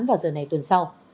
vào giờ này tuần sau